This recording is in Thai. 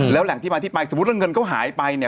แล้วแหล่งที่มาที่ไปสมมุติว่าเงินเขาหายไปเนี่ย